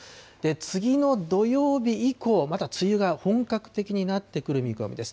次の土曜日以降はまた、梅雨が本格的になってくる見込みです。